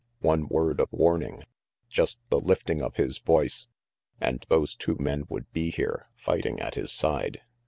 One word of warning, just the lifting of his voice, and those two men would be here, fighting at his side.